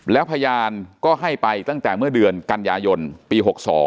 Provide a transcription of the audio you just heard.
แล้วพยานก็ให้ไปตั้งแต่เมื่อเดือนกันยายนปี๖๒